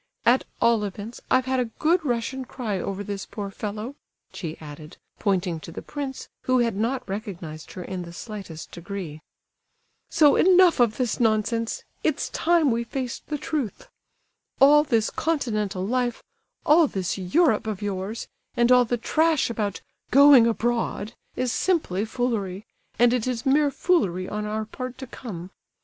At all events, I've had a good Russian cry over this poor fellow," she added, pointing to the prince, who had not recognized her in the slightest degree. "So enough of this nonsense; it's time we faced the truth. All this continental life, all this Europe of yours, and all the trash about 'going abroad' is simply foolery, and it is mere foolery on our part to come.